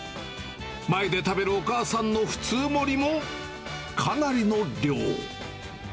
前で食べるお母さんの普通盛もかなりの量。